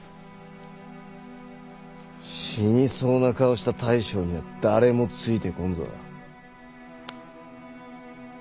死にそうな顔した大将には誰もついてこんぞ。